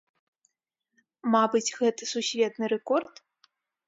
Мабыць, гэта сусветны рэкорд.